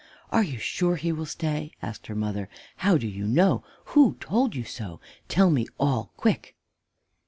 "Are you sure he will stay?" asked her mother. "How do you know? Who told you so? Tell me all quick!"